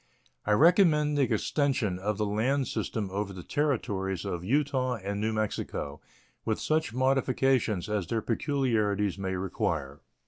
I recommend the extension of the land system over the Territories of Utah and New Mexico, with such modifications as their peculiarities may require.